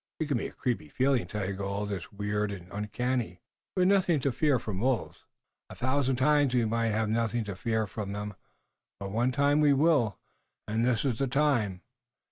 "You give me a creepy feeling, Tayoga. All this is weird and uncanny. We've nothing to fear from wolves." "A thousand times we might have nothing to fear from them, but one time we will, and this is the time.